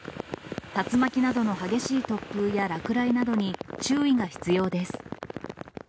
竜巻などの激しい突風や落雷などに注意が必要です。